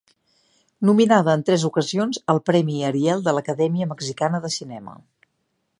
Nominada en tres ocasions al premi Ariel de l'acadèmia mexicana de cinema.